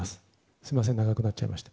すみません長くなっちゃいました。